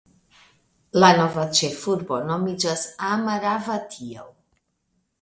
La nova ĉefurbo nomiĝas Amaravatio.